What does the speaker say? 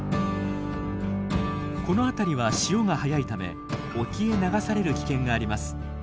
この辺りは潮が速いため沖へ流される危険があります。